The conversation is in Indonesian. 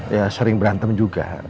ya sering berantem juga